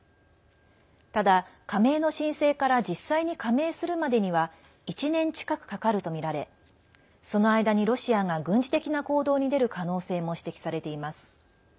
ただ、加盟の申請から実際に加盟するまでには１年近くかかるとみられその間に、ロシアが軍事的な行動に出る可能性も指摘されています。